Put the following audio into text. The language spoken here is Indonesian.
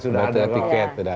sudah ada tiket